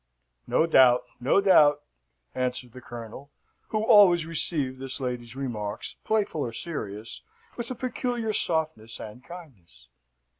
"No doubt, no doubt," answered the Colonel, who always received this lady's remarks, playful or serious, with a peculiar softness and kindness.